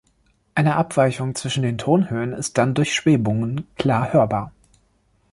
Eine Abweichung zwischen den Tonhöhen ist dann durch Schwebungen klar hörbar.